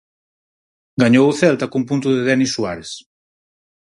Gañou o Celta cun punto de Denis Suárez.